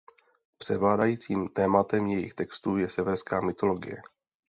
Převládajícím tématem jejich textů je severská mytologie.